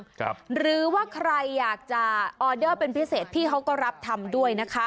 หรือว่าใครอยากจะออเดอร์เป็นพิเศษพี่เขาก็รับทำด้วยนะคะ